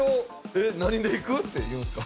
えっ何で行く？」って言うんですか？